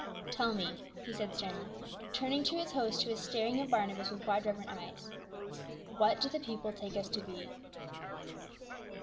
" Tell me," he said sternly, turning to his host, who was staring at Barnabas with wide reverent eyes, " what do the people take us to be